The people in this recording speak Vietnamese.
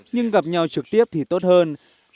nhưng gặp nhau trực tiếp thì tốt hơn